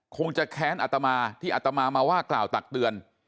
คงจะแค้นอัตมาที่อัตมามาว่ากล่าวตักเตือน